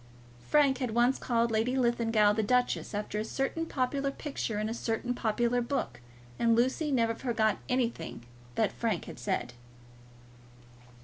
Frank had once called Lady Linlithgow the duchess, after a certain popular picture in a certain popular book, and Lucy never forgot anything that Frank had said.